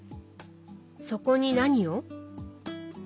そこに何を？